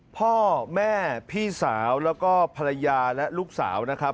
พ่อแม่พี่สาวแล้วก็ภรรยาและลูกสาวนะครับ